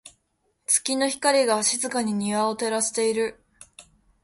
月の光が、静かに庭を照らしている。